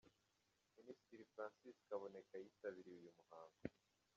Minisitiri Francis Kaboneka yitabiriye uyu muhango.